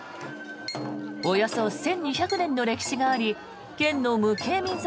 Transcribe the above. およそ１２００年の歴史があり県の無形民俗